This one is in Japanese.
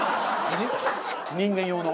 人間用の。